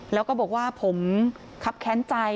แล้วก็บอกว่าผมครับแค้นใจ